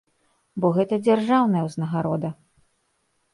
Бо гэта дзяржаўная ўзнагарода.